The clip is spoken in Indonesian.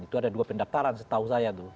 itu ada dua pendaktaran setahu saya